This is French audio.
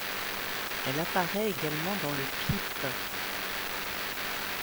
Elle apparait également dans le clip.